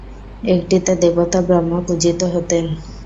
একটিতে দেবতা ব্রহ্মা পূজিত হতেন।